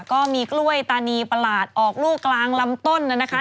ก็มีกล้วยตานีประหลาดออกลูกกลางลำต้นนะคะ